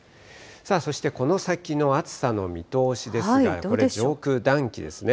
そして、この先の暑さの見通しですが、これ、上空、暖気ですね。